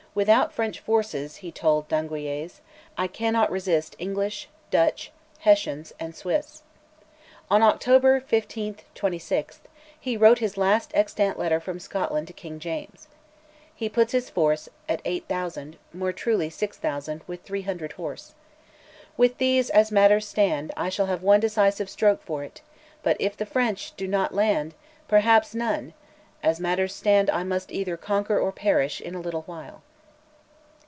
Without French forces, he told D'Eguilles, "I cannot resist English, Dutch, Hessians, and Swiss." On October [15/26] he wrote his last extant letter from Scotland to King James. He puts his force at 8000 (more truly 6000), with 300 horse. "With these, as matters stand, I shal have one decisive stroke for't, but iff the French" (do not?) "land, perhaps none. ... As matters stand I must either conquer or perish in a little while."